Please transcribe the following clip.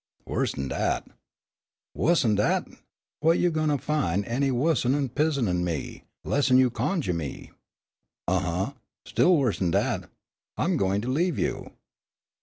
"Worse'n dat!" "Wuss'n dat? Whut you gwine fin' any wuss'n pizenin' me, less'n you conjuh me?" "Huh uh still worse'n dat. I'm goin' to leave you."